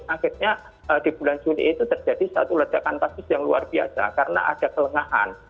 akhirnya di bulan juli itu terjadi satu ledakan kasus yang luar biasa karena ada kelengahan